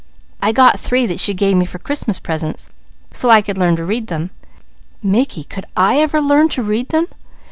I got three that She gave me for Christmas presents, so I could learn to read them " "Mickey could I ever learn to read them?"